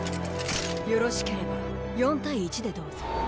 よろしければ４対１でどうぞ。